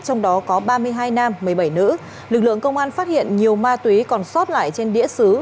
trong đó có ba mươi hai nam một mươi bảy nữ lực lượng công an phát hiện nhiều ma túy còn sót lại trên đĩa xứ